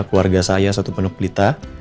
keluarga saya suatu penuh pelita